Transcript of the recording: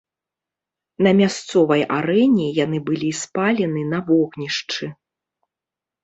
На мясцовай арэне яны былі спалены на вогнішчы.